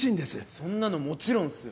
そんなのもちろんっすよ。